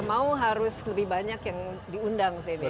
mau harus lebih banyak yang diundang sini